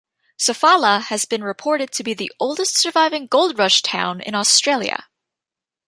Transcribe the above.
Sofala has been reported to be the oldest surviving gold-rush town in Australia.